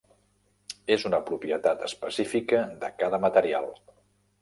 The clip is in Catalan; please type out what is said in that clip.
És una propietat específica de cada material.